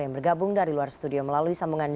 yang bergabung dari luar studio melalui sambungan zo